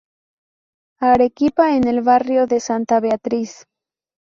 Arequipa, en el barrio de Santa Beatriz.